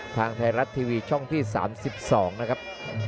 ทางไทยรัฐทีวีช่องที่๓๒นะครับ